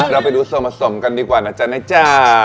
เราไปดูส่วนผสมกันดีกว่านะจ๊ะนะจ๊ะ